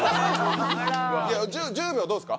１０秒どうですか？